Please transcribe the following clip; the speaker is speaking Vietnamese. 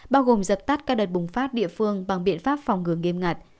bao gồm dập tắt các đợt bùng phát địa phương bằng biện pháp phòng ngừa nghiêm ngặt